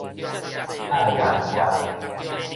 愛媛縣